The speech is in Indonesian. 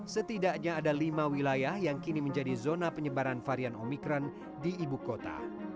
setidaknya ada lima wilayah yang kini menjadi zona penyebaran varian omikron di ibu kota